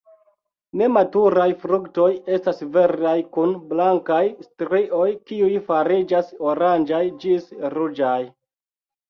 Nematuraj fruktoj estas verdaj kun blankaj strioj, kiuj fariĝas oranĝaj ĝis ruĝaj.